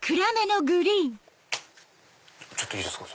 ちょっといいですか？